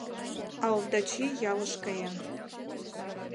А Овдачи ялыш каен.